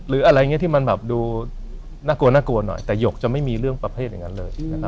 หรืออะไรอย่างนี้ที่มันแบบดูน่ากลัวน่ากลัวหน่อยแต่หยกจะไม่มีเรื่องประเภทอย่างนั้นเลย